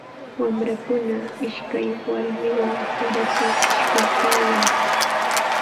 Wamrakuna ishkay warmiwan sarata ishkuykaayan.